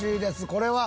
これは。